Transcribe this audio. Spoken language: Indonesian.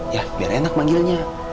ya biar enak panggilnya